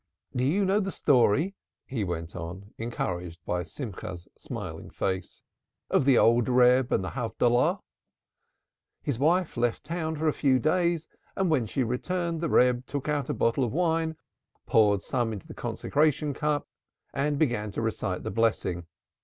"Do you know the story?" he went on, encouraged by Simcha's smiling face, "of the old Reb and the Havdolah? His wife left town for a few days and when she returned the Reb took out a bottle of wine, poured some into the consecration cup and began to recite the blessing.